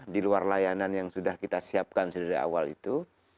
di luar layanan yang sudah kita siapkan dari awal itu